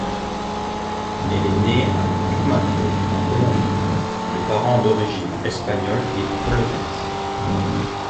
Elle est née à Tumaco en Colombie, de parents d'origines espagnoles et polonaises.